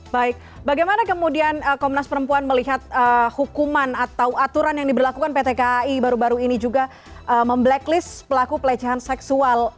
baik bagaimana kemudian komnas perempuan melihat hukuman atau aturan yang diberlakukan pt kai baru baru ini juga memblacklist pelaku pelecehan seksual